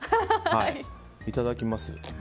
いただきます。